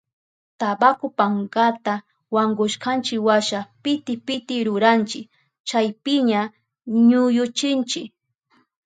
Tabaku pankata wankushkanchiwasha piti piti ruranchi, chaypiña ñuyuchinchi.